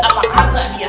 apakah enggak dia